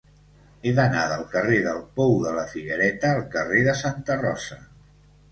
He d'anar del carrer del Pou de la Figuereta al carrer de Santa Rosa.